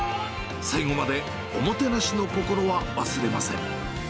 最後までおもてなしの心は忘れません。